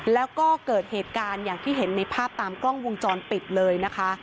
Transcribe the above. แล้วก็เกิดเหตุการณ์อย่างที่เห็นในภาพตามกล้องวงจรปิดเลยนะคะ